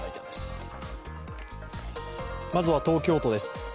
まずは東京都です。